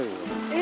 え？